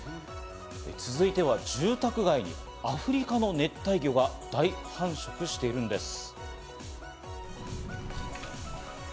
続いては住宅街にアフリカの熱帯魚が大繁殖しているんです。